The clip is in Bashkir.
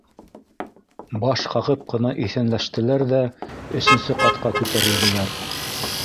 Баш ҡағып ҡына иҫәнләштеләр ҙә өсөнсө ҡатҡа күтәрелделәр